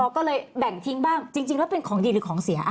ก็เลยแบ่งทิ้งบ้างจริงแล้วเป็นของดีหรือของเสีย